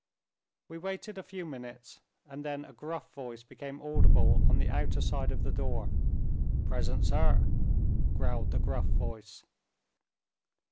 We waited a few minutes and then a gruff voice became audible on the outer side of the door. "Present, sir," growled the gruff voice.